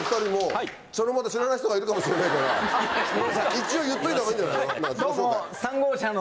一応言っといたほうがいいんじゃないの？